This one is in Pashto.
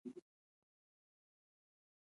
قومونه د افغانستان د طبیعت د ښکلا برخه ده.